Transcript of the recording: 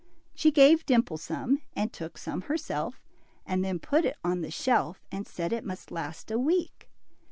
She gave Dimple some, and took some herself, and then put it on the shelf, and said it must last a week.